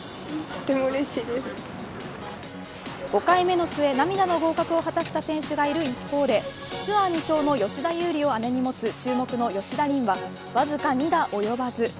５回目の末、涙の合格を果たした選手がいる一方でツアー２勝の吉田優利を姉に持つ注目の吉田鈴はわずか２打及ばず。